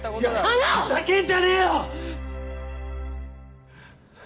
ふざけんじゃねえよ！